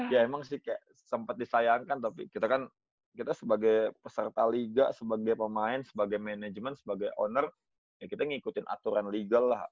ya emang sih kayak sempat disayangkan tapi kita kan kita sebagai peserta liga sebagai pemain sebagai manajemen sebagai owner ya kita ngikutin aturan legal lah